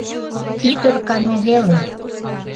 Ит ӧркане веле.